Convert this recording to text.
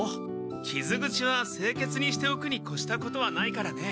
きず口はせいけつにしておくにこしたことはないからね。